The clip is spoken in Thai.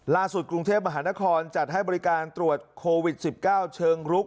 กรุงเทพมหานครจัดให้บริการตรวจโควิด๑๙เชิงรุก